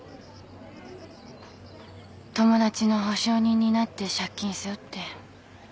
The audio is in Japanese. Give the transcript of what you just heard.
友達の保証人になって借金背負って。